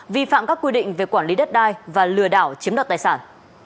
vi phạm các quy định về quản lý đất đai và lừa đảo chiếm đoạt tài sản